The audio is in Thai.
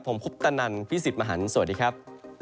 ผมคุปตะนันพี่สิทธิ์มหันฯสวัสดีครับ